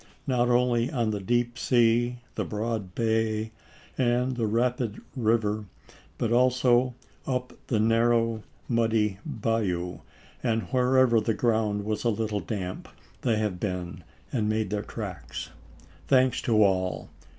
Not only on the deep sea, the broad bay, and the rapid river, but also up the narrow, muddy bayou ; and wherever the ground was a little damp, they have been and made their tracks. Thanks to all.